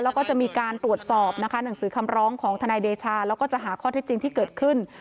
แล้วก็จะมีการตรวจสอบนะคะหนังสือคำร้องของทนายเดชาแล้วก็จะหาข้อเท็จจริงที่เกิดขึ้น